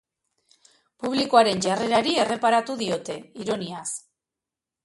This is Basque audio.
Publikoaren jarrerari erreparatu diote, ironiaz.